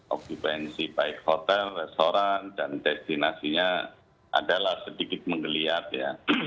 okupansi baik hotel restoran dan destinasinya adalah sedikit menggeliat ya